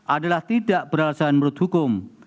adalah tidak beralasan menurut hukum